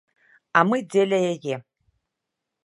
А мы дзеля яе.